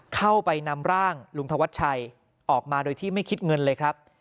เข้าไปนำร่างลุงธวัชชัยออกมาโดยที่ไม่คิดเงินเลยครับ